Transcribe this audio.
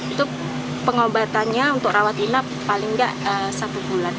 itu pengobatannya untuk rawat inap paling nggak satu bulan